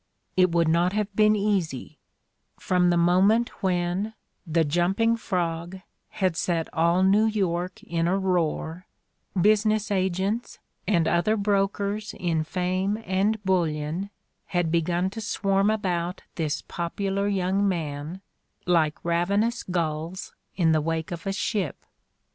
It would not have been easy : from the moment when "The Jumping Prog" had "set all New York in a roar," business agents and other brokers in fame and bullion had begun to swarm about this popular young man like ravenous gulls in the wake of a ship.